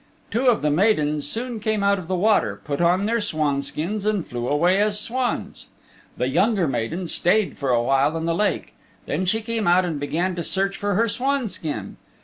Two of the maidens soon came out of the water, put on their swanskins and flew away as swans. The younger maiden stayed for a while in the lake. Then she came out and began to search for her swanskin.